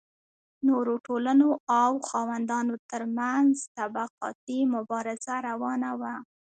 نورو ټولنو او خاوندانو ترمنځ طبقاتي مبارزه روانه وه.